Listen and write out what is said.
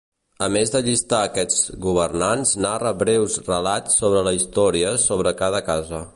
A més de llistar aquests governants, narra breus relats sobre la història sobre cada casa.